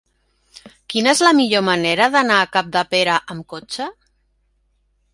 Quina és la millor manera d'anar a Capdepera amb cotxe?